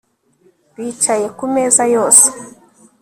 Bicaye ku meza yose